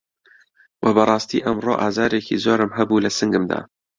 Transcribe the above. وە بەڕاستی ئەمڕۆ ئازارێکی زۆرم هەبوو لە سنگمدا